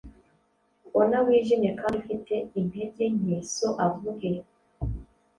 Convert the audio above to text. Ona, wijimye kandi ufite intege nke, So avuge!